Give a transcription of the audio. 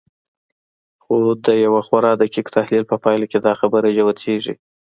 خو د يوه خورا دقيق تحليل په پايله کې دا خبره جوتېږي.